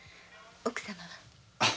奥様は？